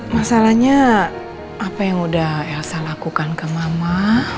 masalahnya apa yang udah elsa lakukan ke mama